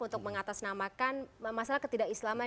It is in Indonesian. untuk mengatasnamakan masalah ketidakislaman